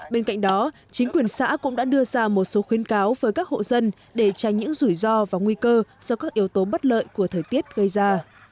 bên cạnh đó chính quyền xã cũng đã đưa ra một số khuyến cáo với các hộ dân để tránh những rủi ro và nguy cơ do các yếu tố bất lợi của thời tiết gây ra